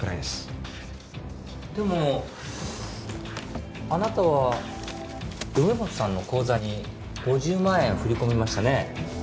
でもあなたは梅本さんの口座に５０万円振り込みましたね。